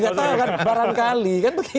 tidak tahu kan barangkali